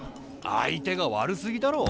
相手が悪すぎだろ。